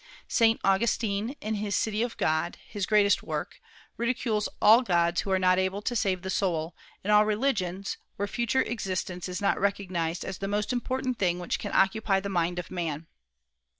Saint Augustine, in his "City of God," his greatest work, ridicules all gods who are not able to save the soul, and all religions where future existence is not recognized as the most important thing which can occupy the mind of man.